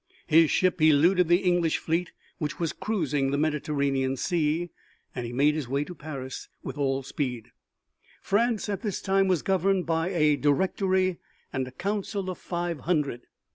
His ship eluded the English fleet which was cruising the Mediterranean Sea, and he made his way to Paris with all speed. France at this time was governed by a Directory and a Council of Five Hundred.